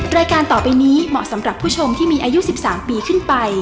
รายการต่อไปนี้เหมาะสำหรับผู้ชมที่มีอายุ๑๓ปีขึ้นไป